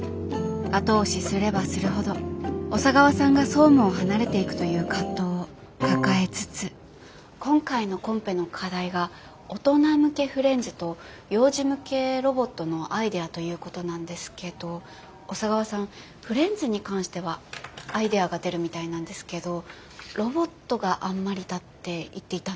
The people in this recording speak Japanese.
後押しすればするほど小佐川さんが総務を離れていくという葛藤を抱えつつ今回のコンペの課題が大人向けフレンズと幼児向けロボットのアイデアということなんですけど小佐川さんフレンズに関してはアイデアが出るみたいなんですけどロボットがあんまりだって言っていたんです。